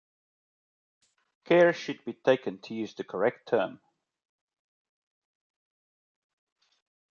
Care should be taken to use the correct term.